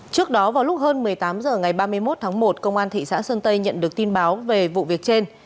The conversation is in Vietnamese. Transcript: trước đó vào lúc hơn một mươi tám h ngày ba mươi một tháng một công an thị xã sơn tây nhận được tin báo về vụ việc trên